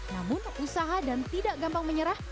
namun usaha dan tidak gampang menyerah